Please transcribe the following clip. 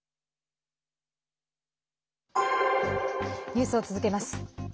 ニュースを続けます。